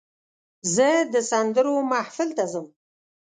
زه د سندرو محفل ته ځم.